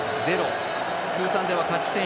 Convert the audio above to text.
通算では勝ち点１。